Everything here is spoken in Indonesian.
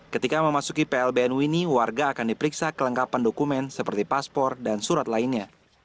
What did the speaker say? ketika memasuki plbn wini warga akan diperiksa kelengkapan dokumen seperti paspor dan surat lainnya